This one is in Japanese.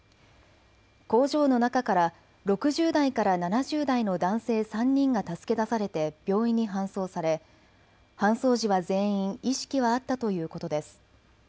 工場の中から６０代から７０代の男性３人が助け出されて病院に搬送され搬送時は全員意識はあったということです。